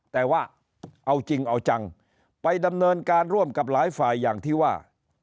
แต่ว่าเอาจริงเอาจังไปดำเนินการร่วมกับหลายฝ่ายอย่างที่ว่า